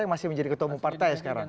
yang masih menjadi ketua umum partai sekarang